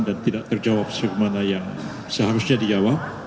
dan tidak terjawab sebagaimana yang seharusnya dijawab